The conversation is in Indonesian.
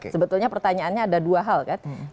sebetulnya pertanyaannya ada dua hal kan